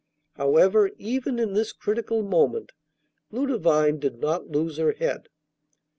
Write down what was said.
However, even in this critical moment, Ludovine did not lose her head.